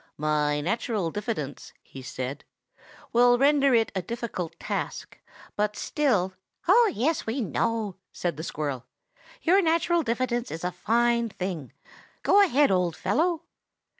"My natural diffidence," he said, "will render it a difficult task, but still—" "Oh yes, we know!" said the squirrel. "Your natural diffidence is a fine thing. Go ahead, old fellow!"